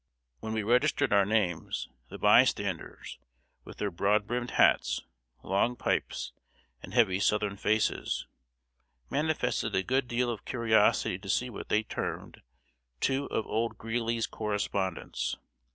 When we registered our names, the bystanders, with their broad brimmed hats, long pipes, and heavy Southern faces, manifested a good deal of curiosity to see what they termed "two of old Greeley's correspondents."